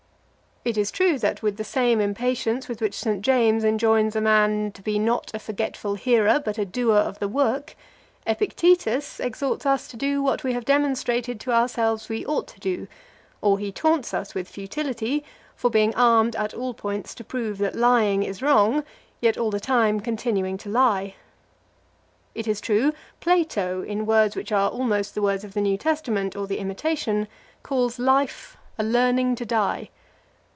It is true that with the same impatience with which St. James enjoins a man to be not a forgetful hearer, but a doer of the work,+ Epictetus exhorts us to do what we have demonstrated to ourselves we ought to do; or he taunts us with futility, for being armed at all points to prove that lying is wrong, yet all the time continuing to lie. It is true, Plato, in words which are almost the words of the New Testament or the Imitation, calls life a learning to die.